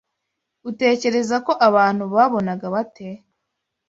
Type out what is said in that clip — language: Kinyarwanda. Utekereza ko abantu babonaga bate